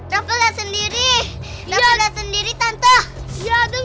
rafa sendiri rafa sendiri tante